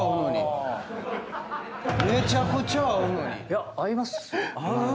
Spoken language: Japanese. いや合いますよ。